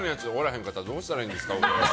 へんかったらどうしたらいいんですか？